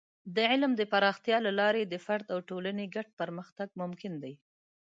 د علم د پراختیا له لارې د فرد او ټولنې ګډ پرمختګ ممکن دی.